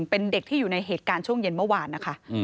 เป็นเด็กที่อยู่ในเหตุการณ์ช่วงเย็นเมื่อวานนะคะ